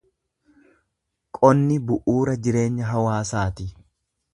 Qonni bu’uura jireenya hawaasaati.